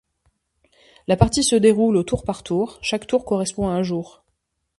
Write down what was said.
La partie se déroule au tour par tour, chaque tour correspondant à un jour.